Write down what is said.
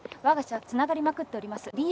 わが社はつながりまくっております。